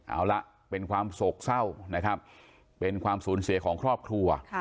เอาละเป็นความโศกเศร้านะครับเป็นความสูญเสียของครอบครัว